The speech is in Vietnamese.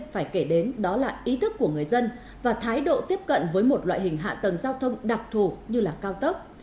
phải kể đến đó là ý thức của người dân và thái độ tiếp cận với một loại hình hạ tầng giao thông đặc thù như là cao tốc